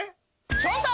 ちょっと！